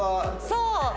そう。